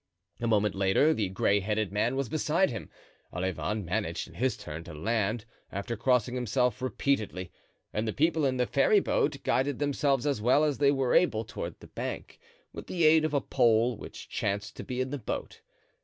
A moment later the gray headed man was beside him. Olivain managed in his turn to land, after crossing himself repeatedly; and the people in the ferryboat guided themselves as well as they were able toward the bank, with the aid of a pole which chanced to be in the boat.